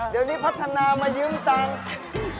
เดี๋ยวนี้พัฒนามายืมตังค์